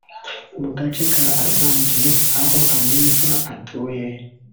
Mu gace ka Ansanje aho Aniva atuye